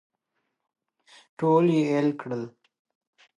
ټول یې اېل کړل.